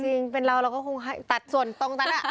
จริงเป็นเราเราก็คงตัดส่วนตรงนั้น